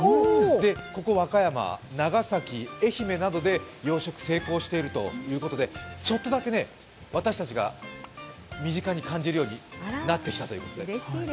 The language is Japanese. ここ和歌山、長崎、愛媛などで養殖、成功しているということでちょっとだけ私たちが身近に感じるようになってきたということで。